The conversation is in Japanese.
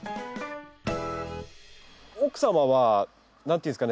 奥様は何て言うんですかね